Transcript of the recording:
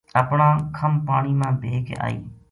اپنا کَھم پانی ما بھے کے آئی